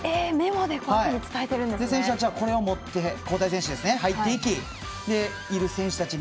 選手たちはこれを持って交代選手は入っていきいる選手たちに。